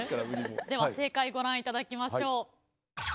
では正解ご覧いただきましょう。